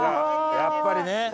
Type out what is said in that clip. やっぱりね。